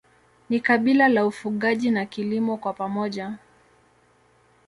Ni kabila la ufugaji na kilimo kwa pamoja.